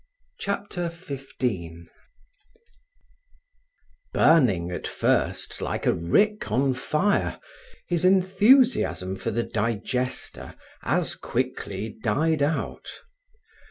Chapter 15 Burning at first like a rick on fire, his enthusiasm for the digester as quickly died out.